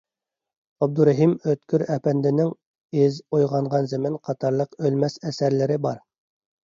ئابدۇرېھىم ئۆتكۈر ئەپەندىنىڭ «ئىز»، «ئويغانغان زېمىن» قاتارلىق ئۆلمەس ئەسەرلىرى بار.